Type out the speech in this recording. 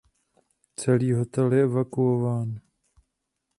Celý hotel je evakuován.